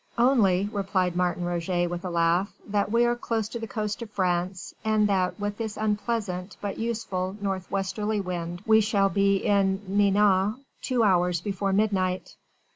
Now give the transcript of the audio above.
"Only," replied Martin Roget with a laugh, "that we are close to the coast of France and that with this unpleasant but useful north westerly wind we shall be in Nantes two hours before midnight."